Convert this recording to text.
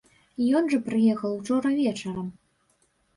Ён жа прыехаў учора вечарам.